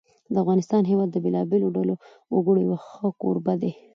د افغانستان هېواد د بېلابېلو ډولو وګړو یو ښه کوربه دی.